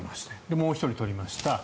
もう１人取りました。